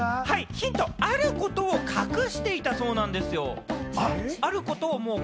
ヒント、あることを隠していたそうなんですよ。